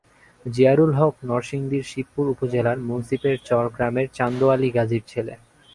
জিয়ারুল হক নরসিংদীর শিবপুর উপজেলার মুন্সীপের চর গ্রামের চান্দোআলী গাজীর ছেলে।